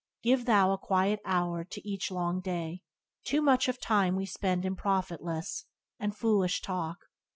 Give thou a quiet hour to each long day, Too much of time we spend in profitless And foolish talk.